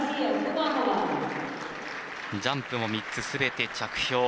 ジャンプも３つすべて着氷。